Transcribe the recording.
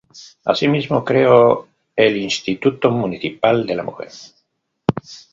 Así mismo, creó el Instituto Municipal de la Mujer.